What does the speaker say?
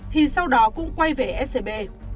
thì sau đó cũng quay về scb